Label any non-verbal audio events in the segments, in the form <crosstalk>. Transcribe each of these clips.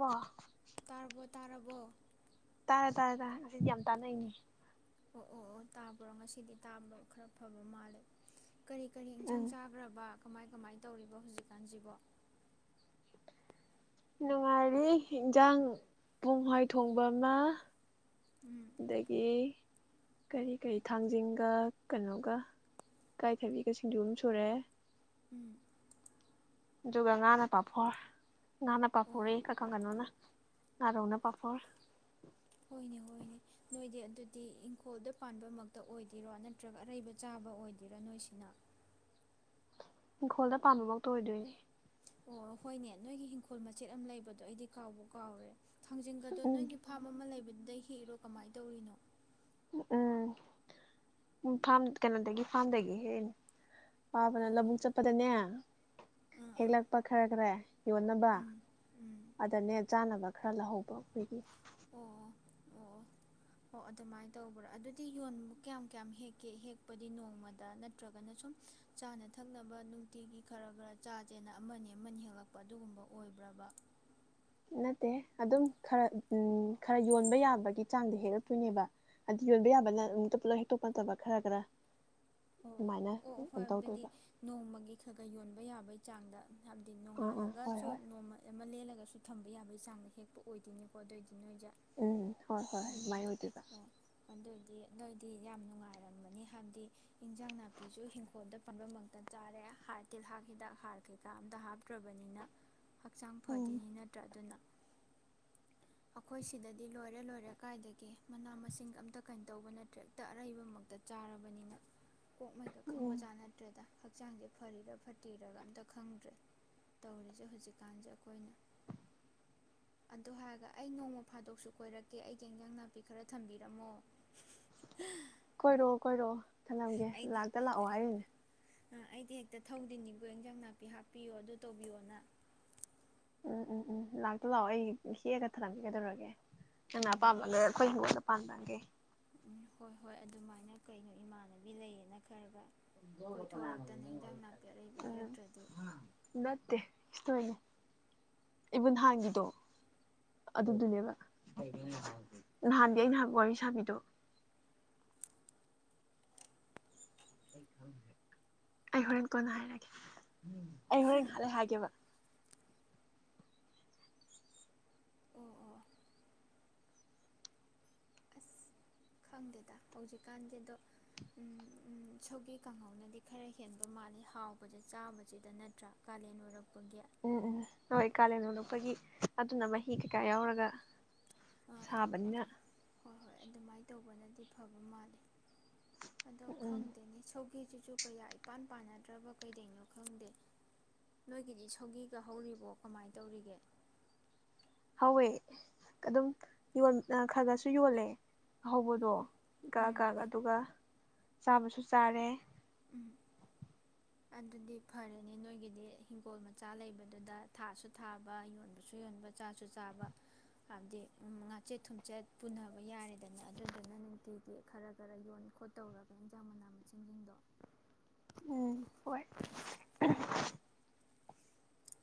ꯋꯥ ꯇꯥꯔꯕꯣꯠ ꯇꯥꯔꯕꯣ ꯇꯥꯔꯦ ꯇꯥꯔꯦ ꯇꯥꯔꯦ ꯑꯁꯤꯗꯤ ꯌꯥꯝ ꯇꯥꯟꯅꯩꯅꯦ ꯑꯣ ꯑꯣ ꯑꯣ ꯇꯥꯕ꯭ꯔꯣ ꯉꯁꯤꯗꯤ ꯇꯥꯕ ꯈꯔ ꯐꯕ ꯃꯥꯜꯂꯦ ꯀꯔꯤ ꯀꯔꯤ ꯏꯟꯁꯥꯡ ꯎꯝ ꯆꯥꯒ꯭ꯔꯕ ꯀꯃꯥꯏ ꯀꯃꯥꯏ ꯇꯧꯔꯤꯕ ꯍꯧꯖꯤꯛꯀꯥꯟꯁꯤꯕꯣ ꯅꯨꯡꯉꯥꯏꯔꯤ ꯏꯟꯖꯥꯡ ꯄꯣꯡꯍꯥꯏ ꯊꯣꯡꯕ ꯑꯃ ꯎꯝ ꯑꯗꯒꯤ ꯀꯔꯤ ꯀꯔꯤ ꯊꯥꯡꯖꯤꯡꯒ ꯀꯩꯅꯣꯒ ꯏꯀꯥꯏꯊꯕꯤꯒ ꯁꯤꯡꯖꯨ ꯑꯃ ꯁꯨꯔꯦ ꯎꯝ ꯗꯨꯒ ꯉꯥ ꯅ ꯄꯥꯄꯣꯔ <unintelligible> ꯑꯣ ꯉꯥꯔꯣꯟ ꯅ ꯄꯥꯄꯣꯔ ꯍꯣꯏꯅꯦ ꯍꯣꯏꯅꯦ ꯅꯣꯏꯗꯤ ꯑꯗꯨꯗꯤ ꯏꯪꯈꯣꯜꯗ ꯄꯥꯟꯕꯃꯛꯇ ꯑꯣꯏꯗꯣꯏꯔꯣ ꯅꯠꯇ꯭ꯔꯒ ꯑꯔꯩꯕ ꯆꯥꯕ ꯑꯣꯏꯗꯣꯏꯔꯥ ꯅꯣꯏꯁꯤꯅ ꯏꯪꯈꯣꯜꯗ ꯄꯥꯝꯕ ꯉꯥꯡꯇ ꯑꯣꯏꯗꯣꯏꯅꯦ ꯑꯣ ꯍꯣꯏꯅꯦ ꯅꯣꯏꯒꯤ ꯍꯤꯡꯈꯣꯜ ꯃꯆꯦꯠ ꯑꯃ ꯂꯩꯕꯗꯣ ꯑꯩꯗꯤ ꯀꯥꯎꯕꯨ ꯀꯥꯎꯔꯦ ꯊꯥꯡꯖꯤꯡꯒꯗꯣ ꯎꯝ ꯅꯣꯏꯒꯤ ꯐꯥꯔꯝ ꯑꯃ ꯂꯩꯕꯗꯨꯗ ꯍꯦꯛꯏꯔꯣ ꯀꯃꯥꯏ ꯇꯧꯔꯤꯅꯣ ꯎꯝ ꯎꯐꯥꯝ ꯀꯩꯅꯣꯗꯒꯤ ꯐꯥꯝꯗꯒꯤ ꯍꯦꯛꯏꯅꯦ ꯄꯥꯕꯅ ꯑꯣ ꯂꯧꯕꯛ ꯆꯠꯄꯗꯅꯦ ꯑꯥ ꯍꯦꯛ ꯑꯥ ꯂꯥꯛꯄ ꯈꯔꯈ꯭ꯔꯦ ꯌꯣꯟꯅꯕ ꯎꯝ ꯎꯝ ꯑꯗꯅꯦ ꯆꯥꯅꯕ ꯈꯔ ꯂꯧꯍꯧꯕ ꯑꯣ ꯑꯣ ꯑꯣ ꯑꯣ ꯑꯗꯨꯃꯥꯏ ꯇꯧꯕ꯭ꯔꯥ ꯑꯗꯨꯗꯤ ꯌꯣꯟꯕ ꯀꯌꯥꯝ ꯀꯌꯥꯝ ꯍꯦꯛꯀꯦ ꯍꯦꯛꯄꯗꯤ ꯅꯣꯡꯃꯗ ꯅꯠꯇ꯭ꯔꯒꯅ ꯁꯨꯝ ꯆꯥꯅ ꯊꯛꯅꯕ ꯅꯨꯡꯇꯤꯒꯤ ꯈꯔ ꯈꯔ ꯆꯥꯖꯦꯅ ꯑꯃꯅꯤ ꯑꯃꯅꯤ ꯍꯦꯛꯂꯛꯄ ꯑꯗꯨꯒꯨꯝꯕ ꯑꯣꯏꯕ꯭ꯔꯕ ꯅꯠꯇꯦ ꯑꯗꯨꯝ ꯈꯔ ꯎ ꯎꯝ ꯈꯔ ꯌꯣꯟꯕ ꯌꯥꯕꯒꯤ ꯆꯥꯡꯗ ꯍꯦꯛꯂꯛꯇꯣꯏꯅꯦꯕ ꯍꯥꯏꯗꯤ ꯌꯣꯟꯕ ꯌꯥꯕꯅ ꯑꯇ ꯄꯨꯂꯞ ꯍꯦꯛꯇꯣꯛꯄ ꯅꯠꯇꯕ ꯈꯔ ꯈꯔ ꯑꯣ ꯑꯗꯨꯃꯥꯏꯅ ꯑꯣ ꯑꯣ ꯀꯩꯅꯣ ꯍꯣꯏꯕꯗꯤ ꯇꯧꯗꯣꯏꯕ ꯅꯣꯡꯃꯒꯤ ꯈꯔ ꯈꯔ ꯌꯣꯟꯕ ꯌꯥꯕꯩ ꯆꯥꯡꯗ ꯍꯥꯏꯕꯗꯤ ꯑꯥ ꯑꯥ ꯍꯣꯏ ꯅꯣꯡꯉꯥꯜꯂꯒꯁꯨ ꯍꯣꯏ ꯅꯣꯡꯃ ꯑꯃ ꯂꯦꯜꯂꯒ ꯁꯨ ꯊꯝꯕ ꯌꯥꯕ ꯆꯥꯡꯗ ꯍꯦꯛꯄ ꯑꯣꯏꯗꯣꯏꯅꯦꯀꯣ ꯑꯗꯣꯏꯗꯤ ꯎꯝ ꯍꯣꯏ ꯍꯣꯏ ꯑꯗꯨꯃꯥꯏ ꯑꯣꯏꯗꯣꯏꯕ ꯗꯤ ꯅꯣꯏꯗꯤ ꯌꯥꯝ ꯅꯨꯡꯉꯥꯏꯔꯃꯒꯅꯤ ꯍꯥꯏꯕꯗꯤ ꯏꯟꯖꯥꯡ ꯅꯥꯄꯤꯁꯨ ꯍꯤꯡꯈꯣꯜꯗ ꯄꯟꯕꯃꯛꯇ ꯆꯥꯔꯦ ꯍꯥꯔ ꯇꯤꯜꯍꯥꯛ ꯍꯤꯗꯥꯛ ꯍꯥꯔ ꯀꯩꯀꯥ ꯑꯝꯇ ꯍꯥꯞꯇ꯭ꯔꯕꯅꯤꯅ ꯍꯛꯆꯥꯡ ꯎꯝ ꯐꯗꯣꯏꯅꯤ ꯅꯠꯇ꯭ꯔꯥ ꯑꯗꯨꯅ ꯑꯈꯣꯏ ꯁꯤꯗꯗꯤ ꯂꯣꯏꯔꯦ ꯂꯣꯏꯔꯦ ꯀꯥꯏꯗꯒꯤ ꯃꯅꯥ ꯃꯁꯤꯡ ꯑꯝꯇ ꯀꯩꯅ ꯇꯧꯕ ꯅꯠꯇ꯭ꯔꯦ ꯑꯝꯇꯥ ꯑꯔꯩꯕꯃꯛꯇ ꯆꯥꯔꯕꯅꯤꯅ ꯀꯣꯛ ꯃꯩꯒꯥ ꯎꯝ ꯈꯪꯕꯖꯠ ꯅꯠꯇꯔ꯭ꯦꯗꯥ ꯍꯛꯆꯥꯡꯁꯦ ꯐꯔꯤꯔ ꯐꯠꯇꯔꯤꯔꯥꯒ ꯑꯝꯇ ꯈꯪꯗ꯭ꯔꯦ ꯇꯧꯔꯤꯁꯦ ꯍꯧꯖꯤꯛꯀꯥꯟꯁꯦ ꯑꯈꯣꯏꯅ ꯑꯗꯨ ꯍꯥꯏꯔꯒ ꯑꯩ ꯅꯣꯡꯃ ꯐꯥꯗꯣꯛꯁꯨ ꯀꯣꯏꯔꯛꯀꯦ ꯑꯩꯒꯤ ꯏꯟꯖꯥꯡ ꯅꯥꯄꯤ ꯈꯔ ꯊꯝꯕꯤꯔꯝꯃꯣ ꯍꯥ ꯀꯣꯏꯔꯣ ꯀꯣꯏꯔꯛꯑꯣ ꯊꯥꯅꯝꯒꯦ ꯂꯥꯛꯇ ꯂꯥꯛꯑꯣ ꯍꯥꯏꯔꯤꯝꯅꯦ ꯑ ꯑꯩꯗꯤ ꯍꯦꯛꯇ ꯊꯧꯗꯤꯅꯤꯕꯨ ꯑꯦꯟꯖꯥꯡ ꯅꯥꯄꯤ ꯍꯥꯞꯄꯤꯌꯣ ꯑꯗꯨ ꯇꯧꯕꯤꯌꯣꯅ ꯎꯝ ꯎꯝ ꯎꯝ ꯂꯥꯛꯇ ꯂꯥꯛꯑꯣ ꯑꯩ ꯍꯦꯛꯑꯒ ꯊꯅꯝꯒꯦ ꯀꯩꯗꯧꯔꯒꯦ ꯅꯪꯅ ꯎꯝ ꯑꯄꯥꯝꯕꯒꯩ ꯑꯈꯣꯢ ꯍꯤꯡꯒꯣꯟꯗ ꯄꯟꯕꯒꯩ <unintelligible> ꯎꯝ ꯍꯣꯏ ꯍꯣꯏ ꯑꯗꯨꯃꯥꯏꯅ ꯀꯩꯅꯣ ꯏꯃꯥꯟꯅꯕꯤ ꯂꯩꯌꯦꯅ ꯈꯔꯒ ꯀꯤꯃꯗꯣꯔꯣ ꯀꯅꯒꯅꯣ ꯀꯣꯏꯊꯣꯔꯛꯇꯅ ꯅꯪ ꯏꯟꯖꯥꯡ ꯋꯥꯔꯤ ꯅꯥꯄꯤ ꯁꯥꯏꯗꯣ ꯑꯔꯩꯕ ꯍꯥ ꯍꯦꯛꯇ꯭ꯔꯗꯤ ꯎꯝ ꯅꯠꯇꯦ ꯇꯣꯏꯅꯦ ꯏꯕꯨ ꯅꯍꯥꯟꯒꯤꯗꯣ ꯑꯗꯨꯗꯨꯅꯦꯕ ꯅꯍꯥꯟꯗꯤ ꯑꯩꯟ ꯍꯥꯏꯕꯥ ꯋꯥꯔꯤ ꯁꯥꯕꯤꯗꯣ ꯑꯩ ꯍꯣꯔꯦꯟ ꯀꯣꯟꯅ ꯍꯥꯏꯔꯒꯦ ꯑꯩ ꯍꯣꯔꯦꯟ ꯉꯥꯏꯍꯛ ꯂꯩ ꯍꯥꯏꯒꯦꯕ ꯑꯣ ꯑꯣ ꯑꯁ ꯈꯪꯗꯦꯗ ꯍꯧꯖꯤꯛꯀꯥꯟꯗꯦꯗꯣ ꯎꯝ ꯎꯝ ꯁꯧꯒꯤ ꯀꯥꯡꯍꯧꯅꯗꯤ ꯈꯔ ꯍꯦꯟꯕ ꯃꯥꯜꯂꯤ ꯍꯥꯎꯕꯁꯦ ꯆꯥꯕꯁꯤꯗ ꯅꯠꯇ꯭ꯔꯥ ꯀꯥꯂꯦꯟ ꯑꯣꯏꯔꯛ ꯎꯝ ꯎꯝ ꯍꯣꯏ ꯀꯥꯂꯦꯟ ꯑꯣꯟꯂꯛꯄꯒꯤ ꯑꯗꯨꯅ ꯃꯍꯤ ꯀꯩꯀꯥ ꯌꯥꯎꯔꯒ ꯑꯥ ꯁꯥꯕꯅ ꯑꯥ ꯗꯤ ꯐꯕ ꯃꯥꯜꯂꯤ ꯑꯗꯣ ꯎꯝ ꯈꯪꯗꯦꯅꯦ ꯁꯧ ꯁꯧꯒꯤꯁꯤꯁꯨ ꯀꯌꯥ ꯏꯄꯥꯟ ꯄꯥꯟꯅꯗ꯭ꯔꯕ ꯀꯩꯗꯩꯅꯣ ꯈꯪꯗꯦ ꯅꯣꯏꯒꯤꯗꯤ ꯁꯧꯒꯤꯒ ꯍꯧꯔꯤꯕꯣ ꯀꯃꯥꯏꯅ ꯇꯧꯔꯤꯒꯦ ꯍꯣꯏ ꯑꯗꯨꯝ ꯌꯣꯟ ꯈꯔꯒꯔꯁꯨ ꯌꯣꯜꯂꯦ ꯑꯍꯧꯕꯗꯣ ꯒꯥꯛ ꯎꯝ ꯒꯥꯛ ꯑꯗꯨꯒ ꯆꯥꯕꯁꯨ ꯆꯥꯔꯦ ꯎꯝ ꯑꯗꯨꯗꯤ ꯐꯔꯦꯅꯦ ꯅꯣꯏꯒꯤꯗꯤ ꯍꯤꯟꯒꯣꯜ ꯃꯆꯥ ꯂꯩꯕꯗꯨꯗ ꯊꯥꯁꯨ ꯊꯥꯕ ꯌꯣꯟꯕꯁꯨ ꯌꯣꯟꯕ ꯆꯥꯁꯨ ꯆꯥꯕ ꯍꯥꯏꯕꯗꯤ ꯉꯥꯆꯦꯠ ꯊꯨꯝꯆꯦꯠ ꯄꯨꯕ ꯌꯥꯔꯦꯗꯅ ꯑꯗꯨꯗꯨꯅ ꯅꯨꯡꯇꯤꯒꯤ ꯈꯔ ꯈꯔ ꯌꯣꯟ ꯈꯣꯠꯇꯧꯔꯒ ꯏꯟꯖꯥꯡ ꯃꯅꯥ ꯃꯁꯤꯡꯁꯤꯡꯗꯣ ꯎꯝ ꯍꯣꯏ <inaudible>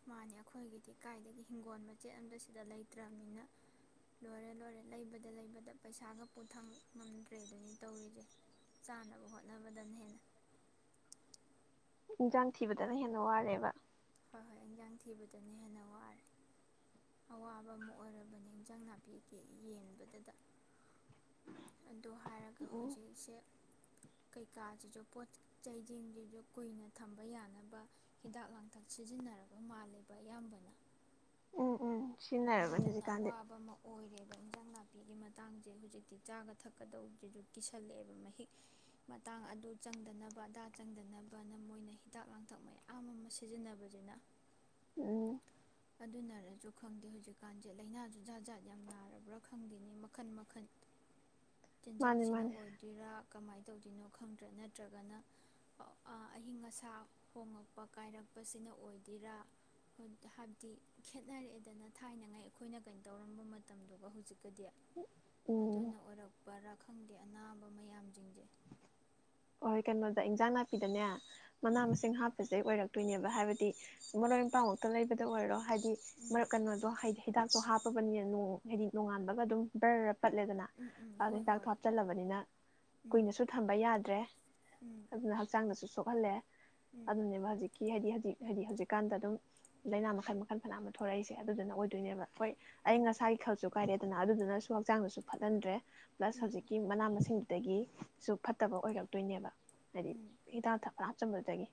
ꯃꯥꯅꯦ ꯑꯩꯈꯣꯏꯒꯤꯗꯤ ꯀꯥꯏꯗꯒꯤ ꯍꯤꯡꯒꯣꯟ ꯃꯆꯦꯠꯑꯃꯇꯁꯤꯗ ꯂꯩꯇ꯭ꯔꯕꯅꯤꯅ ꯂꯣꯏꯔꯦ ꯂꯣꯏꯔꯦ ꯂꯩꯕꯗ ꯂꯩꯕꯗ ꯄꯩꯁꯥꯒ ꯄꯨꯊꯥꯡ ꯉꯝꯗ꯭ꯔꯦ ꯗꯨꯅꯤ ꯇꯧꯔꯤꯖꯦ ꯆꯥꯅꯕ ꯍꯣꯠꯅꯕꯗꯅ ꯍꯦꯟꯅ ꯏꯟꯖꯥꯡ ꯊꯤꯕꯗꯅ ꯍꯦꯟꯅ ꯋꯥꯔꯦꯕ ꯍꯣꯏ ꯍꯣꯏ ꯏꯟꯖꯥꯡ ꯊꯤꯕꯗꯅ ꯍꯦꯟꯅ ꯋꯥꯔꯦ ꯑꯋꯥꯕ ꯑꯃ ꯑꯣꯏꯔꯕꯅꯦ ꯏꯟꯖꯥꯡ ꯅꯥꯄꯤꯒꯤ ꯌꯦꯡꯕꯗꯥꯗ ꯑꯗꯨ ꯍꯥꯏꯔꯒ ꯎꯝ ꯍꯧꯖꯤꯛꯁꯦ ꯀꯩꯀꯥꯁꯤꯁꯨ ꯄꯣꯠ ꯆꯩꯁꯤꯡꯖꯤꯖꯨ ꯀꯨꯏꯅ ꯊꯝꯕ ꯌꯥꯅꯕ ꯍꯤꯗꯥꯛ ꯂꯥꯡ ꯗꯛ ꯁꯤꯖꯤꯟꯅꯔꯕ ꯃꯥꯟꯂꯦꯕꯥ ꯑꯌꯥꯝꯕꯅ ꯎꯝ ꯎꯝ ꯁꯤꯖꯤꯟꯅꯔꯕꯅꯦ ꯑꯗꯨꯗꯨꯅ ꯍꯧꯖꯤꯛꯀꯥꯟꯗꯤ ꯑꯋꯥꯕ ꯑꯃ ꯑꯣꯏꯔꯦ ꯏꯟꯖꯥꯡ ꯅꯥꯄꯤꯒꯤ ꯃꯇꯥꯡꯁꯦ ꯍꯧꯖꯤꯛꯇꯤ ꯆꯥꯒ ꯊꯛꯀꯗꯧꯕꯗꯨꯁꯨ ꯀꯤꯁꯜꯂꯛꯑꯦꯕ ꯃꯍꯤꯛ ꯃꯇꯥꯡ ꯑꯗꯨ ꯆꯪꯗꯅꯕ ꯑꯗꯥ ꯆꯪꯗꯅꯕꯅ ꯃꯣꯏꯅ ꯍꯤꯗꯥꯛ ꯂꯥꯡꯊꯛ ꯃꯌꯥꯝ ꯑꯃ ꯁꯤꯖꯤꯟꯅꯕꯁꯤꯅ ꯎꯝ ꯑꯗꯨꯅꯔꯁꯨ ꯈꯪꯗꯦ ꯍꯧꯖꯤꯛꯀꯥꯟꯁꯦ ꯂꯥꯏꯅꯥꯁꯨ ꯖꯥꯠ ꯖꯥꯠ ꯌꯥꯝ ꯅꯥꯔꯕ꯭ꯔꯥ ꯈꯪꯗꯦꯅꯦ ꯃꯈꯟ ꯃꯈꯟ ꯃꯥꯅꯦ ꯆꯤꯟꯖꯥꯛꯁꯤꯅ ꯃꯥꯅꯦ ꯑꯣꯏꯗꯣꯏꯔꯥ ꯀꯃꯥꯏꯅ ꯇꯧꯗꯣꯏꯅꯣ ꯈꯪꯗ꯭ꯔꯦ ꯅꯠꯇ꯭ꯔꯒꯅ ꯑ ꯑꯏꯤꯡ ꯑꯁꯥ ꯍꯣꯡꯉꯛꯄ ꯀꯥꯏꯔꯛꯄꯁꯤꯅ ꯑꯣꯏꯗꯣꯏꯔꯥ ꯇꯤ ꯈꯦꯠꯅꯔꯛꯑꯦꯗꯅ ꯊꯥꯏꯅꯉꯩꯏ ꯑꯩꯈꯣꯏꯅ ꯀꯩꯅꯣ ꯇꯧꯔꯝꯕ ꯃꯇꯝꯗꯨꯒ ꯍꯧꯖꯤꯛ ꯗꯤ ꯎꯝ ꯑꯗꯨꯅ ꯑꯣꯏꯔꯛ ꯄꯔꯥ ꯈꯪꯗꯦ ꯑꯅꯥꯕ ꯃꯌꯥꯝꯖꯤꯡꯖꯦ ꯍꯣꯏ ꯀꯩꯅꯣꯗ ꯏꯟꯖꯥꯡ ꯅꯥꯄꯤꯗꯅꯦ ꯃꯅꯥ ꯎꯝ ꯃꯁꯤꯡ ꯍꯥꯞꯄꯤꯁꯦ ꯑꯣꯏꯔꯛ ꯇꯣꯏꯅꯦꯕ ꯍꯥꯏꯕꯗꯤ ꯃꯔꯣꯏ ꯃꯄꯥꯡꯃꯛꯇ ꯂꯩꯕꯗ ꯑꯣꯏꯔꯣ ꯍꯥꯏꯗꯤ ꯎꯝ ꯃꯔꯛ ꯀꯩꯅꯣꯗꯣ ꯍꯥꯏꯗꯤ ꯍꯤꯗꯥꯛꯇꯣ ꯍꯥꯞꯄꯕꯅꯤꯅ ꯅꯣꯡ ꯍꯥꯏꯗꯤ ꯅꯣꯡꯉꯥꯟꯕꯒ ꯑꯗꯨꯝ ꯕ꯭ꯔ ꯄꯠꯂꯦꯗꯅ ꯎꯝ ꯎꯝ ꯑꯗꯨ ꯍꯣꯏ ꯍꯤꯗꯥꯛꯇꯨ ꯍꯣꯏ ꯍꯥꯞꯆꯜꯂꯕꯅꯤꯅ ꯎꯝ ꯀꯨꯏꯅꯁꯨ ꯊꯝꯕ ꯌꯥꯗ꯭ꯔꯦ ꯎꯝ ꯑꯗꯨꯅ ꯍꯛꯆꯥꯡ ꯑꯃꯁꯨ ꯁꯣꯛꯍꯜꯂꯦ ꯎꯝ ꯑꯗꯨꯅꯦꯕ ꯍꯧꯖꯤꯛꯀꯤ ꯍꯥꯏꯗꯤ ꯍꯥꯏꯗꯤ ꯍꯧꯖꯤꯛꯀꯥꯟꯗ ꯑꯗꯨꯝ ꯂꯥꯏꯅꯥ ꯃꯈꯜ ꯃꯈꯜ ꯐꯅꯌꯥꯝ ꯊꯣꯛꯔꯛꯏꯁꯦ ꯑꯗꯨꯗꯨꯅ ꯑꯣꯏꯗꯣꯏꯅꯦꯕ ꯍꯣꯏ ꯑꯩ ꯎꯝ ꯉꯁꯥꯏ <unintelligible> ꯀꯥꯏꯔꯦꯗꯅ ꯑꯗꯨꯗꯨꯅꯁꯨ ꯍꯛꯆꯥꯡꯗꯨꯁꯨ ꯐꯠꯍꯟꯗ꯭ꯔꯦ ꯄ꯭ꯂꯁ ꯎꯝ ꯍꯧꯖꯤꯛꯀꯤ ꯃꯅꯥ ꯃꯁꯤꯡ ꯑꯗꯒꯤꯁꯨꯨ ꯐꯠꯇꯕ ꯑꯣꯏꯔꯛ ꯇꯣꯏꯅꯦꯕ ꯍꯥꯏꯗꯤ ꯎꯝ ꯍꯤꯗꯥꯛ ꯄꯨꯔꯥꯆꯝꯕꯗꯨꯗꯒꯤ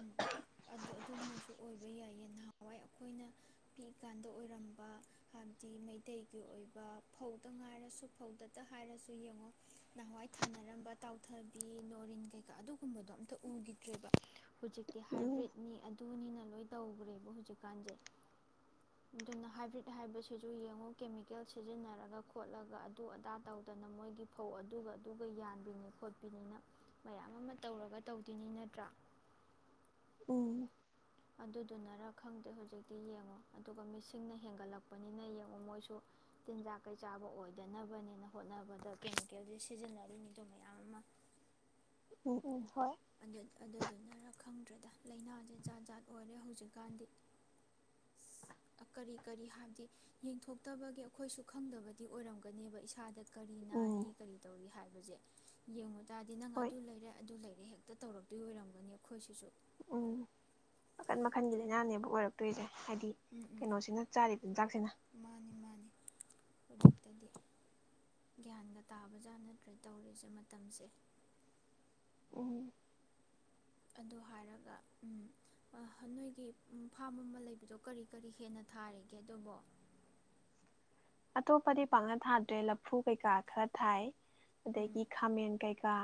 ꯎꯝ ꯑꯗꯨ ꯑꯗꯨꯅꯁꯨ ꯑꯣꯏꯕ ꯌꯥꯏꯌꯦ ꯅꯍꯥꯟꯋꯥꯏ ꯑꯩꯈꯣꯏꯅ ꯄꯤꯛꯏꯀꯥꯟꯗ ꯑꯣꯏꯔꯝꯕ ꯍꯥꯏꯕꯗꯤ ꯃꯩꯇꯩꯒꯤ ꯑꯣꯏꯕ ꯐꯧꯗ ꯉꯥꯏꯔꯁꯨ ꯐꯧꯗꯇ ꯍꯥꯏꯔꯁꯨ ꯌꯦꯡꯉꯣ ꯅꯍꯥꯟꯋꯥꯏ ꯊꯥꯅꯔꯝꯕ ꯇꯥꯎꯊꯕꯤ ꯅꯣꯔꯤꯟ ꯀꯩꯀꯥ ꯑꯗꯨꯒꯨꯝꯕꯗꯣ ꯑꯝꯇ ꯎꯈꯤꯗ꯭ꯔꯦꯕ ꯍꯨꯖꯤꯛꯇꯤ ꯎꯝ ꯍꯥꯏꯕ꯭ꯔꯤꯠꯅꯤ ꯑꯗꯨꯅꯤꯅ ꯂꯣꯏꯅ ꯇꯧꯈ꯭ꯔꯦꯕ ꯍꯧꯖꯤꯛꯀꯥꯟꯁꯦ ꯑꯗꯨꯅ ꯍꯥꯏꯕ꯭ꯔꯤꯠ ꯍꯥꯏꯕꯁꯤꯁꯨ ꯌꯦꯡꯉꯣ ꯀꯦꯃꯤꯀꯦꯜ ꯁꯤꯖꯤꯟꯅꯔꯒ ꯈꯣꯠꯂꯒ ꯑꯗꯨ ꯑꯗꯥ ꯇꯧꯗꯅ ꯃꯣꯏꯒꯤ ꯐꯧ ꯑꯗꯨꯒ ꯑꯗꯨꯒ ꯌꯥꯟꯕꯤꯅꯤ ꯈꯣꯠꯄꯤꯅꯤꯅ ꯃꯌꯥꯝ ꯑꯃ ꯇꯧꯔꯒ ꯇꯧꯗꯣꯏꯅꯤ ꯅꯠꯇ꯭ꯔꯥ ꯎꯝ ꯑꯗꯨꯗꯨꯅꯔ ꯈꯪꯗꯦ ꯍꯧꯖꯤꯛꯇꯤ ꯌꯦꯡꯉꯣ ꯑꯗꯨꯒ ꯃꯤꯁꯤꯡꯅ ꯍꯦꯟꯒꯠꯂꯛꯄꯅꯤꯅ ꯌꯦꯡꯉꯣ ꯃꯣꯏꯁꯨ ꯇꯤꯟꯖꯥꯛ ꯀꯩ ꯆꯥꯕ ꯑꯣꯏꯗꯅꯕꯅꯦꯅ ꯍꯣꯠꯅꯕꯗ ꯀꯦꯃꯤꯀꯦꯜꯁꯦ ꯁꯤꯖꯤꯟꯅꯔꯤꯅꯤꯗꯣ ꯃꯌꯥꯝ ꯑꯃ ꯎꯝ ꯎꯝ ꯍꯣꯏ ꯑꯗꯨꯗꯨꯅꯔ ꯈꯪꯗ꯭ꯔꯦꯗ ꯂꯥꯏꯅꯥꯁꯦ ꯖꯥꯠ ꯖꯥꯠ ꯑꯣꯏꯔꯦ ꯍꯧꯖꯤꯛꯀꯥꯟꯗꯤ ꯀꯔꯤ ꯀꯔꯤ ꯍꯥꯏꯕꯗꯤ ꯌꯦꯡꯊꯣꯛꯇꯕꯒꯤ ꯑꯩꯈꯣꯏꯁꯨ ꯈꯪꯗꯕꯗꯤ ꯑꯣꯏꯔꯝꯒꯅꯤꯕ ꯏꯁꯥꯗ ꯀꯔꯤ ꯎꯝ ꯅꯥꯔꯤ ꯀꯔꯤ ꯇꯧꯔꯤ ꯍꯥꯏ ꯍꯨꯖꯤꯛ ꯌꯦꯡꯉꯨ ꯇꯥꯔꯗꯤ ꯅꯪ ꯍꯣꯏ ꯑꯗꯨ ꯂꯩꯔꯦ ꯑꯗꯨ ꯂꯩ ꯑꯗꯣ ꯇꯧꯔꯛꯇꯣꯏ ꯑꯣꯏꯔꯝꯒꯅꯤ ꯑꯩꯈꯣꯏꯁꯤꯁꯨ ꯎꯝ ꯃꯈꯟ ꯃꯈꯟꯒꯤ ꯎꯝ ꯂꯥꯏꯅꯥꯅꯦꯕ ꯑꯣꯏꯔꯛꯇꯣꯏꯁꯦ ꯍꯥꯏꯗꯤ ꯎꯝ ꯀꯩꯅꯣꯁꯤꯅ ꯆꯥꯔꯤꯕ ꯆꯤꯟꯖꯥꯛ ꯍꯩꯃꯥ ꯃꯥꯅꯤ ꯃꯥꯅꯤ ꯍꯧꯖꯤꯛꯇꯗꯤ ꯒ꯭ꯌꯥꯟꯒ ꯇꯥꯕꯖꯥꯠ ꯅꯠꯇ꯭ꯔꯦ ꯇꯧꯔꯤꯁꯦ ꯃꯇꯝꯁꯦ ꯎꯝ ꯑꯗꯨ ꯍꯥꯏꯔꯒ ꯎꯝ ꯑꯥ ꯅꯣꯏꯒꯤ ꯐꯥꯝ ꯑꯃ ꯂꯩꯕꯗꯣ ꯀꯔꯤ ꯀꯔꯤ ꯍꯦꯟꯅ ꯊꯥꯔꯤꯒꯦ ꯑꯗꯨꯕꯣ ꯑꯇꯣꯞꯄꯗꯤ ꯄꯥꯛꯅ ꯊꯥꯗ꯭ꯔꯦ ꯂꯐꯨ ꯀꯩꯀꯥ ꯈꯔ ꯊꯥꯏ ꯎꯝ ꯑꯗꯥꯒꯤ ꯈꯥꯃꯦꯟ ꯀꯩ ꯀ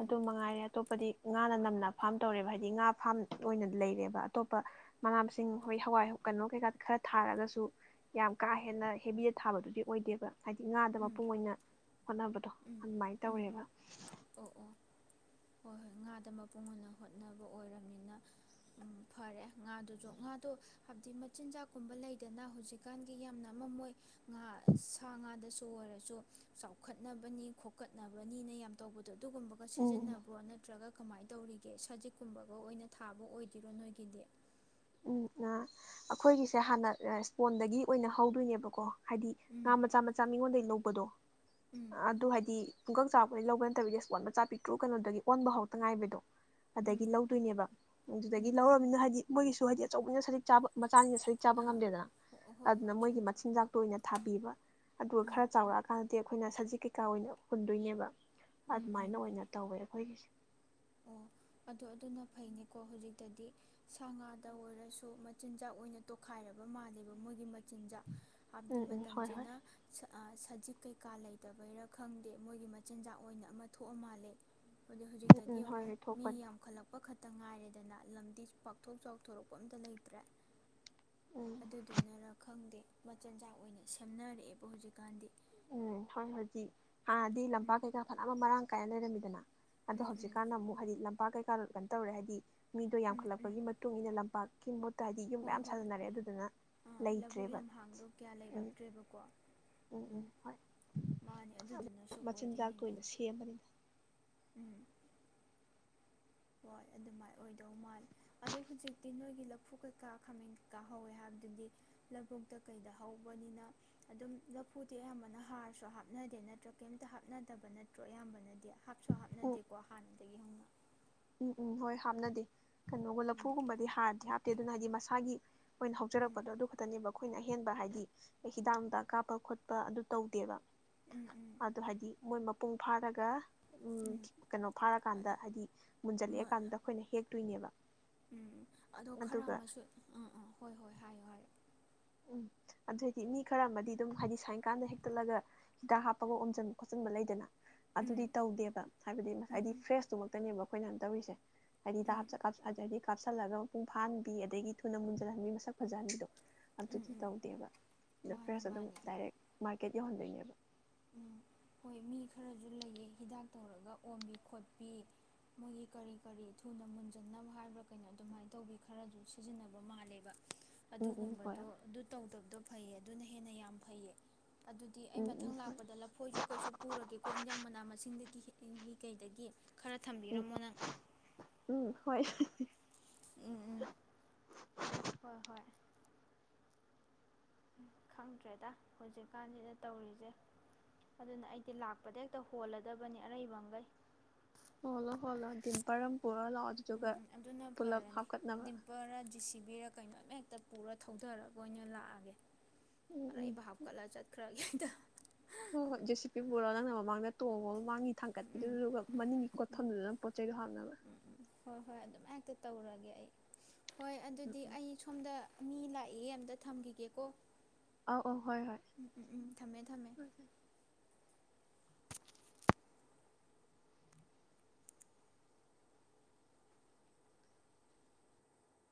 ꯑꯗꯨ ꯃꯉꯥꯏꯔꯦ ꯑꯇꯣꯞꯄꯗꯤ ꯉꯥꯅ ꯅꯝꯅ ꯐꯥꯝ ꯇꯧꯔꯦꯕ ꯍꯥꯏꯗꯤ ꯉꯥ ꯐꯥꯝ ꯑꯣꯏꯅ ꯂꯩꯔꯦꯕ ꯑꯇꯣꯞꯄ ꯃꯅꯥ ꯃꯁꯤꯡ ꯍꯣꯏ ꯍꯋꯥꯏ ꯀꯩꯅꯣ ꯀꯩꯀꯥ ꯈꯔ ꯊꯥꯔꯒꯁꯨ ꯌꯥꯝ ꯀꯥ ꯍꯦꯟꯅ ꯍꯦꯕꯤꯗ ꯊꯥꯕꯗꯨꯗꯤ ꯑꯣꯏꯗꯦꯕ ꯍꯥꯏꯗꯤ ꯉꯥꯗ ꯎꯝ ꯃꯄꯨꯡ ꯑꯣꯏꯅ ꯍꯣꯠꯅꯕꯗꯣ ꯎꯝ ꯑꯗꯨꯃꯥꯏꯅ ꯎꯝ ꯇꯧꯋꯦꯕ ꯑꯣ ꯑꯣ ꯍꯣꯏ ꯍꯣꯏ ꯉꯥꯗ ꯃꯄꯨꯡ ꯑꯣꯏꯅ ꯍꯣꯠꯅꯕ ꯑꯣꯏꯔꯕꯅꯤꯅ ꯎ ꯐꯔꯦ ꯉꯥꯗꯨꯁꯨ ꯉꯥꯗꯣ ꯍꯥꯏꯕꯗꯤ ꯃꯆꯤꯟꯖꯥꯛꯀꯨꯝꯕ ꯂꯩꯗꯅ ꯍꯧꯖꯤꯛꯀꯥꯟꯒꯤ ꯌꯥꯝꯅ ꯑꯝꯃ ꯃꯣꯏ ꯉꯥ ꯁꯥ ꯉꯥꯗꯁꯨ ꯁꯨ ꯑꯣꯏꯔꯁꯨ ꯆꯥꯎꯈꯠꯅꯕꯅꯤ ꯈꯣꯠꯀꯠꯅꯕꯅꯤꯅ ꯌꯥꯝ ꯇꯧꯕꯗꯣ ꯑꯗꯨꯒꯨꯝꯕꯒ ꯎꯝ ꯁꯤꯖꯤꯟꯅꯄꯣꯠꯅ ꯅꯠꯇ꯭ꯔꯒ ꯀꯃꯥꯏꯅ ꯇꯧꯔꯤꯒꯦ ꯁꯖꯤꯛꯀꯨꯝꯕꯒ ꯑꯣꯏꯅ ꯊꯥꯕ ꯑꯣꯏꯗꯣꯏꯔꯣ ꯅꯣꯏꯒꯤꯗꯤ ꯎꯝ ꯑꯥ ꯑꯩꯈꯣꯏꯒꯤꯁꯦ ꯍꯥꯟꯅ ꯏꯁꯄꯣꯟꯗꯒꯤ ꯑꯣꯏꯅ ꯍꯧꯗꯣꯏꯅꯦꯕꯀꯣ ꯍꯥꯏꯗꯤ ꯎꯝ ꯉꯥ ꯃꯆꯥ ꯃꯆꯥ ꯃꯤꯉꯣꯟꯗꯒꯤꯩ ꯂꯧꯕꯗꯣ ꯎꯝ ꯑꯗꯨ ꯍꯥꯏꯗꯤ ꯄꯨꯡꯀꯛ ꯆꯥꯎꯔꯄꯗꯒꯤ ꯂꯧꯕ ꯅꯠꯇꯕꯤꯗꯤ ꯑꯁꯄꯣꯟ ꯃꯆꯥ ꯄꯤꯛꯇ꯭ꯔꯨ ꯀꯩꯅꯣꯗꯒꯤ ꯑꯣꯟꯕ ꯍꯣꯗ ꯉꯥꯏꯔꯤꯕꯗꯣ ꯎꯝ ꯑꯗꯒꯤ ꯂꯧꯗꯣꯏꯅꯦꯕ ꯑꯗꯨꯗꯒꯤ ꯎꯝ ꯂꯧꯔꯅꯤꯅ ꯍꯥꯏꯗꯤ ꯃꯣꯏꯒꯤꯁꯨ ꯃꯣꯏꯗꯤ ꯑꯆꯧꯕꯅꯤꯅ ꯁꯖꯤꯛ ꯆꯥꯕ ꯃꯆꯥꯅꯤꯅ ꯁꯖꯤꯛ ꯆꯥꯕ ꯑꯥ ꯉꯝꯗꯦꯗꯅ ꯍꯣꯏ ꯑꯗꯨꯅ ꯍꯣꯏ ꯃꯣꯏꯒꯤ ꯆꯨꯝꯃꯤ ꯃꯆꯤꯟꯖꯥꯛꯇꯣ ꯑꯣꯏꯅ ꯊꯥꯕꯤꯕ ꯑꯗꯨꯒ ꯎꯝ ꯈꯔ ꯆꯥꯎꯔꯛꯑꯀꯥꯟꯗꯗꯤ ꯑꯩꯈꯣꯏꯅ ꯁꯖꯤꯛ ꯀꯩꯀꯥ ꯑꯣꯏꯅ ꯍꯨꯟꯗꯣꯏꯅꯦꯕ ꯎꯝ ꯎꯝ ꯑꯗꯨꯃꯥꯏꯅ ꯑꯣꯏꯅ ꯇꯧꯋꯦꯕ ꯑꯩꯈꯣꯏꯒꯤꯁꯦ ꯑꯣ ꯑꯗꯣ ꯑꯗꯨꯅ ꯐꯩꯅꯦ ꯀꯣ ꯍꯧꯖꯤꯛꯇꯗꯤ ꯁꯥ ꯉꯥꯗ ꯑꯣꯏꯔꯁꯨ ꯃꯆꯤꯟꯖꯥꯛ ꯑꯣꯏꯅ ꯇꯣꯈꯥꯏꯔꯕ ꯃꯥꯜꯂꯦꯕ ꯃꯣꯏꯒꯤ ꯃꯆꯤꯟꯖꯥꯛ ꯍꯥꯏꯕꯗꯤ ꯎꯝ ꯎꯝ ꯍꯣꯏ ꯍꯣꯏ ꯃꯇꯝꯁꯤꯅ ꯑ ꯁ ꯁꯖꯤꯛ ꯀꯩꯀꯥ ꯂꯩꯇꯕꯩꯔꯥ ꯈꯪꯗꯦ ꯃꯣꯏꯒꯤ ꯃꯆꯤꯟꯖꯥꯛ ꯑꯣꯏꯅ ꯑꯃ ꯊꯣꯛꯑ ꯃꯥꯜꯂꯦ ꯑꯗꯨ ꯎꯝ ꯗꯗꯤ ꯎꯝ ꯍꯣꯏ ꯌꯦꯡꯉꯨ ꯍꯣꯏ ꯃꯤ ꯊꯣꯛꯄꯅꯤ ꯌꯥꯝꯈꯠꯂꯛꯄ ꯈ ꯑꯃꯇ ꯉꯥꯏꯔꯦꯗꯅ ꯂꯝꯗꯤ ꯄꯥꯛꯊꯣꯛ ꯆꯥꯎꯊꯣꯔꯛꯄ ꯑꯝꯇ ꯂꯩꯇ꯭ꯔꯦ ꯎꯝ ꯑꯗꯨꯗꯨꯅꯔꯥ ꯈꯪꯗꯦ ꯃꯆꯤꯟꯖꯥꯛ ꯑꯣꯏꯅ ꯁꯦꯝꯅꯔꯛꯑꯦꯕ ꯍꯧꯖꯤꯛꯀꯥꯟꯗꯤ ꯎꯝ ꯍꯣꯏ ꯍꯣꯏꯖꯤ ꯍꯥꯟꯅꯗꯤ ꯂꯝꯄꯥꯛ ꯎꯝ ꯀꯩꯀꯥ ꯐꯅꯅꯕ ꯃꯔꯥꯡ ꯀꯥꯏ ꯂꯩꯔꯝꯃꯤꯗꯅ ꯑꯗꯣ ꯎꯝ ꯎꯝ ꯍꯧꯖꯤꯛꯀꯥꯟꯅ ꯑꯃꯨꯛ ꯍꯥꯏꯗꯤ ꯄꯥꯛ ꯀꯩꯀꯥ ꯀꯩꯅꯣ ꯇꯧꯔꯦ ꯍꯥꯏꯗꯤ ꯃꯤꯗꯣ ꯎꯝ ꯎꯝ ꯌꯥꯝꯈꯠꯂꯛꯄꯒꯤ ꯃꯇꯨꯡꯏꯟꯅ ꯂꯝꯄꯥꯛ ꯀꯤꯡꯃꯨꯠ ꯍꯣꯏ ꯍꯣꯏ ꯑꯥ ꯂꯧꯕꯨꯛ ꯂꯩꯇ꯭ꯔꯦꯕ ꯂꯝꯍꯥꯡꯗꯣ ꯀꯌꯥ ꯎꯝ ꯂꯩꯔꯛꯇ꯭ꯔꯦꯕꯀꯣ ꯎꯝ ꯃꯥꯅꯤ ꯑꯗꯨꯗꯨꯅꯁꯨ ꯃꯆꯤꯟꯖꯥꯛꯇ ꯑꯣꯏꯗꯣꯏꯅꯤꯗ ꯑꯣꯏꯅ ꯁꯦꯝꯕꯅꯤꯗ ꯎꯝ ꯍꯣꯏ ꯑꯗꯨꯃꯥꯏꯅ ꯑꯣꯏꯗꯧ ꯃꯥꯜꯂꯦ ꯑꯗꯣ ꯍꯧꯖꯤꯛꯇꯤ ꯅꯣꯏꯒꯤ ꯂꯐꯨ ꯀꯩꯀꯥ ꯈꯥꯃꯦꯟ ꯀꯩꯀꯥ ꯍꯧꯋꯦ ꯍꯥꯏꯕꯗꯨꯗꯤ ꯂꯕꯨꯨꯛꯇ ꯀꯩꯗ ꯍꯧꯕꯅꯤꯅ ꯑꯗꯨꯝ ꯂꯐꯨꯗꯤ ꯑꯌꯥꯝꯕꯅ ꯍꯥꯔꯁꯨ ꯍꯥꯞꯅꯗꯦ ꯅꯠꯇ꯭ꯔꯥ ꯀꯩꯝꯇ ꯍꯥꯞꯅꯗꯕ ꯅꯠꯇ꯭ꯔꯣ ꯑꯌꯥꯝꯕꯅꯗꯤ ꯍꯥꯞꯁꯨ ꯎꯝ ꯍꯥꯞꯅꯗꯦꯀꯣ ꯍꯥꯟ ꯎꯝ ꯎꯝ ꯍꯣꯏ ꯍꯥꯞꯅꯗꯦ ꯀꯩꯅꯣꯒ ꯂꯐꯨꯒꯨꯝꯕꯗꯤ ꯍꯥꯔꯗꯤ ꯍꯥꯞ ꯇꯦ ꯑꯗꯨꯅ ꯍꯥꯏꯗꯤ ꯃꯁꯥꯒꯤ ꯑꯣꯏꯅ ꯎꯝ ꯍꯧꯖꯔꯛꯄꯗꯣ ꯑꯗꯨ ꯈꯛꯇꯅꯦꯕ ꯑꯩꯈꯣꯏꯅ ꯑꯍꯦꯟꯕ ꯍꯥꯏꯗꯤ ꯍꯤꯗꯥꯛꯗ ꯀꯥꯞꯄ ꯈꯣꯠꯄ ꯑꯗꯨ ꯇꯧꯗꯦꯕ ꯎꯝ ꯑꯗꯣ ꯍꯥꯏꯗꯤ ꯃꯣꯏ ꯃꯄꯨꯡ ꯐꯥꯔꯒ ꯎꯝ ꯀꯩꯅꯣ ꯎꯝ ꯐꯥꯔꯀꯥꯟꯗ ꯍꯥꯏꯗꯤ ꯎꯝ ꯃ ꯃꯨꯟꯖꯟꯂꯛꯑꯦ ꯀꯥꯟꯗ ꯑꯩꯈꯣꯏꯅ ꯍꯦꯛ ꯇꯣꯏꯅꯦꯕ ꯎꯝ ꯑꯗꯣ ꯈꯔ ꯑꯃꯁꯨ ꯑꯝ ꯑꯝ ꯍꯣꯏ ꯍꯣꯏ ꯍꯥꯏꯌꯨ ꯍꯥꯏꯌꯣ ꯎꯝ ꯑꯗꯨꯏꯗꯤ ꯃꯤ ꯈꯔ ꯑꯃꯗꯤ ꯑꯗꯨꯝ ꯍꯥꯏꯗꯤ ꯁꯥꯏꯟꯀꯥꯟꯗ ꯍꯦꯛꯇꯠꯂꯒ ꯍꯤꯗꯥꯛ ꯍꯥꯞꯄꯒ ꯑꯣꯝꯁꯤꯟ ꯈꯣꯠꯆꯤꯟꯕ ꯂꯩꯗꯅ ꯎꯝ ꯑꯗꯨꯗꯤ ꯇꯧꯗꯦꯕ ꯍꯥꯏꯕꯗꯤ ꯎꯝ ꯉꯁꯥꯏꯗꯤ ꯎꯝ ꯐ꯭ꯔꯦꯁꯇꯨꯃꯛꯇꯅꯦꯕ ꯑꯩꯈꯣꯏꯅ ꯇꯧꯔꯤꯁꯦ ꯎꯝ <unintelligible> ꯀꯥꯞꯁꯤꯜꯂꯒ ꯃꯄꯨꯡ ꯐꯥꯍꯟꯕꯤ ꯑꯗꯒꯤ ꯊꯨꯅ ꯃꯨꯟꯖꯟꯍꯟꯕꯤ ꯃꯁꯛ ꯐꯖꯍꯟꯕꯤꯗꯣ ꯎꯝ ꯑꯗꯨꯗꯤ ꯎꯝ ꯇꯧꯗꯦꯕ ꯑꯗ ꯃꯥꯅꯦ ꯐꯔ꯭ꯦꯁ ꯑꯗꯨꯝ ꯃꯥꯅꯦ ꯗꯥꯏꯔꯦꯛ ꯃꯥ ꯀꯦꯠ ꯌꯧꯍꯟꯗꯣꯏꯅꯦꯕ ꯎꯝ ꯍꯣꯏ ꯃꯤ ꯈꯔꯁꯨ ꯂꯩꯌꯦ ꯍꯤꯗꯥꯛ ꯇꯧꯔꯒ ꯑꯣꯝꯕꯤ ꯈꯣꯠꯄꯤ ꯃꯣꯏꯒꯤ ꯀꯔꯤ ꯀꯔꯤ ꯊꯨꯅ ꯃꯨꯟꯖꯟꯅꯕ ꯍꯥꯏꯕ꯭ꯔꯥ ꯀꯩꯅꯣ ꯑꯗꯨꯃꯥꯏꯅ ꯇꯧꯕꯤ ꯈꯔꯁꯨ ꯁꯤꯖꯤꯟꯅꯕ ꯃꯥꯜꯂꯦꯕ ꯎꯝ ꯎꯝ ꯍꯣꯏ ꯑꯗꯨꯒꯨꯝꯕꯗꯣ ꯑꯗꯨ ꯇꯧꯗꯕꯗꯣ ꯐꯩꯌꯦ ꯑꯗꯨꯅ ꯍꯦꯟꯅ ꯌꯥꯝ ꯐꯩꯌꯦ ꯑꯗꯨꯗꯤ ꯑꯩ ꯎꯝ ꯎꯝ ꯃꯊꯪ ꯍꯣꯏ ꯂꯥꯛꯄ ꯂꯐꯣꯏꯁꯨ ꯀꯩꯁꯨ ꯄꯨꯔꯒꯦꯀꯣ ꯏꯟꯖꯥꯡ ꯃꯅꯥ ꯃꯁꯤꯡꯗꯒꯤ ꯀꯩꯗꯒꯤ ꯈꯔ ꯎꯝ ꯊꯝꯕꯤꯔꯝꯃꯣ ꯅꯪ ꯎꯝ ꯍꯣꯏ ꯍꯤ ꯍꯤ ꯍꯤ ꯎꯝ ꯎꯝ ꯍꯣꯏ ꯍꯣꯏ ꯎꯝ ꯈꯪꯗ꯭ꯔꯦꯗ ꯍꯧꯖꯤꯛꯀꯥꯟꯁꯤꯗ ꯇꯧꯔꯤꯁꯦ ꯑꯗꯨꯅ ꯑꯩꯗꯤ ꯂꯥꯛꯄꯗ ꯍꯦꯛꯇ ꯍꯣꯜꯂꯗꯕꯅꯤ ꯑꯔꯩꯕꯒꯩ ꯍꯣꯟꯂꯣ ꯍꯣꯟꯂꯣ ꯗꯤꯝꯄꯔ ꯄꯨꯔ ꯂꯥꯛꯑꯣ ꯎꯝ ꯑꯗꯨꯗꯨꯒ ꯎꯝ ꯑꯗꯨꯅ ꯄꯨꯂꯞ ꯐꯔꯅꯤ ꯍꯥꯞꯀꯠꯅꯕ ꯗꯤꯝꯄꯔꯔ ꯖꯦꯁꯤꯕꯤꯔ ꯀꯩꯅꯣ ꯑꯃ ꯍꯦꯛꯇ ꯄꯨꯔ ꯊꯧꯙꯥꯔꯒꯥ ꯑꯣꯏꯅ ꯂꯥꯛꯑꯒꯦ ꯎꯝ ꯎꯝ ꯑꯔꯩꯕ ꯍꯞꯀꯠꯂꯒꯥ ꯆꯠꯈꯔꯒꯦ <unintelligible> ꯍꯣ ꯍꯣꯏ ꯖꯦꯁꯤꯄꯤ ꯄꯨꯔꯣ ꯅꯪꯅ ꯃꯃꯥꯡꯗ ꯇꯣꯡꯉꯣ ꯃꯃꯥꯡꯒꯤ ꯎꯝ ꯊꯥꯡꯀꯠꯄꯤꯗꯨꯗꯨꯒ ꯃꯅꯤꯡꯒꯤ ꯈꯣꯠꯐꯝꯗꯨꯗꯅ ꯄꯣꯠ ꯆꯩꯗꯣ ꯍꯥꯞꯅꯕ ꯎꯝ ꯎꯝ ꯍꯣꯏ ꯍꯣꯏ ꯑꯗꯨꯃꯥꯏ ꯇꯧꯔꯒꯦ ꯑꯩ ꯍꯣꯏ ꯎꯝ ꯑꯗꯨꯗꯤ ꯎꯝ ꯑꯩ ꯁꯣꯝꯗ ꯃꯤ ꯂꯥꯛꯏꯌꯦ ꯑꯝꯇ ꯊꯝꯈꯤꯒꯦꯀꯣ ꯑꯧ ꯑꯧ ꯍꯣꯏ ꯍꯣꯏ ꯎꯝ ꯎꯝ ꯎꯝ ꯊꯝꯃꯦ ꯊꯝꯃꯦ